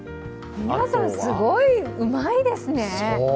皆さんすごいうまいですね。